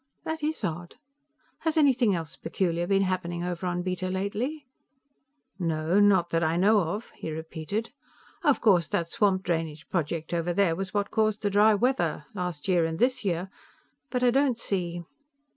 "That is odd. Has anything else peculiar been happening over on Beta lately?" "No. Not that I know of," he repeated. "Of course, that swamp drainage project over there was what caused the dry weather, last year and this year, but I don't see...."